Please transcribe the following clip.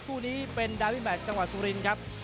คู่นี้เป็นดาวิแมทจังหวัดสุรินครับ